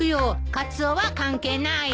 カツオは関係ないわ。